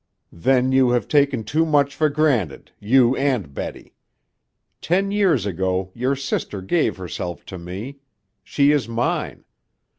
"Then you have taken too much for granted, you and Betty. Ten years ago your sister gave herself to me. She is mine.